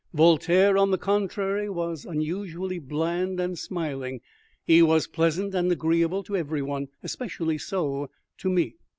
Voltaire, on the contrary, was unusually bland and smiling. He was pleasant and agreeable to every one, especially so to me.